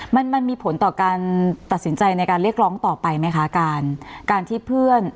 มันมันมีผลต่อการตัดสินใจในการเรียกร้องต่อไปไหมคะการการที่เพื่อน